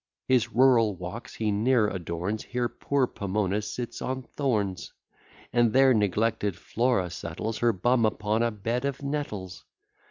His rural walks he ne'er adorns; Here poor Pomona sits on thorns: And there neglected Flora settles Her bum upon a bed of nettles.